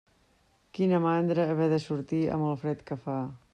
Quina mandra, haver de sortir amb el fred que fa.